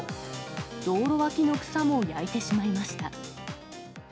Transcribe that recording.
道路脇の草も焼いてしまいました。